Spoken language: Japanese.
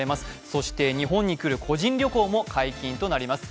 そして日本に来る個人旅行も解禁となります。